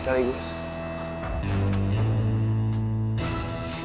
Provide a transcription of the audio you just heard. tidak ada yang bisa dipercaya